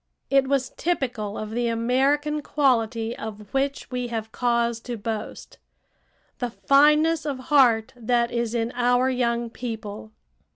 It was typical of the American quality of which we have cause to boast the fineness of heart that is in our young people.